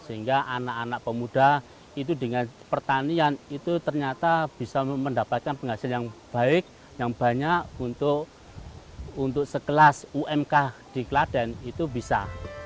sehingga anak anak pemuda itu dengan pertanian itu ternyata bisa mendapatkan penghasilan yang baik yang banyak untuk sekelas umk di klaten itu bisa